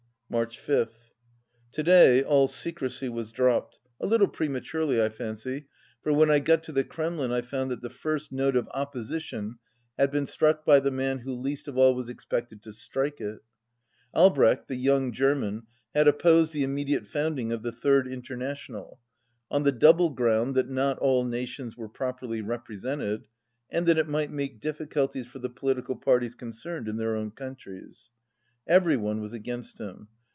March 5 th. To day all secrecy was dropped, a little prema 218 turely, I fancy, for when I got to the Kremlin I found that the first note of opposition had been struck by the man who least of all was expected to strike it. Albrecht, the young German, had op posed the immediate founding of the Third Inter national, on the double ground that not all nations were properly represented and that it might make difficulties for the political parties concerned in their own countries. Every one was against him.